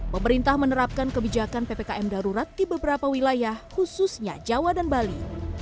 pemerintah menerapkan kebijakan ppkm darurat di beberapa wilayah khususnya jawa dan bali